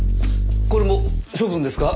これも処分ですか？